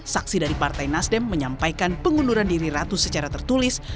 saksi dari partai nasdem menyampaikan pengunduran diri ratu secara tertulis